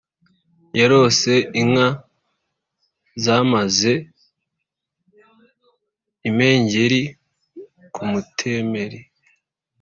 yarose inka zamaze impengeri ku mutemeri